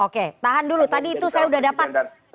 oke tahan dulu tadi itu saya sudah dapat